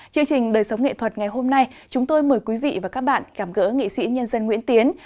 chương trình đời sống nghệ thuật ngày hôm nay chúng tôi mời quý vị và các bạn cảm gỡ nghị sĩ nhân dân nguyễn tiến